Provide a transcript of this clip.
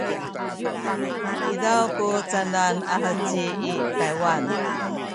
izaw ku canan a heci i Taywan?